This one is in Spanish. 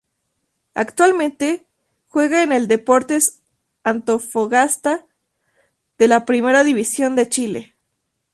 Actualmente juega en el Deportes Antofagasta de la Primera División de Chile.